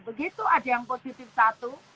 begitu ada yang positif satu